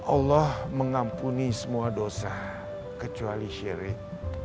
allah mengampuni semua dosa kecuali syirik